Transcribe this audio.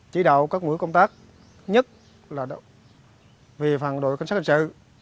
chỉ đạo các mũi công tác nhất là về phần đội cảnh sát hình sự